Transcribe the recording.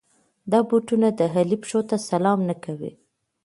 دا بوټونه د علي پښو ته سلام نه کوي.